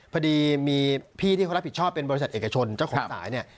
พอดีมีพี่ที่เขารับผิดชอบเป็นบริษัทเอกชนเจ้าของสายเนี่ย